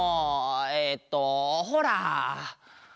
えっとほら！